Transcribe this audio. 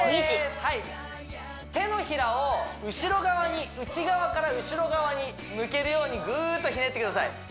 ２時手のひらを後ろ側に内側から後ろ側に向けるようにグーッとひねってください